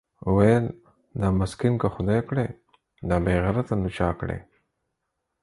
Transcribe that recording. ويل دا مسکين که خداى کړې دا بېغيرته نو چا کړې؟